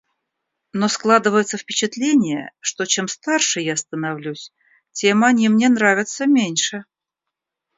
Но складывается впечатление, что, чем старше я становлюсь, тем они мне нравятся меньше.